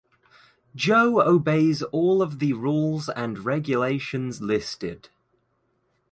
Joe obeys all of the rules and regulations listed.